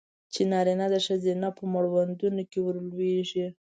چې نارینه د ښځې په مړوندونو کې ولویږي.